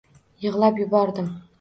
Yig‘lab yubordim.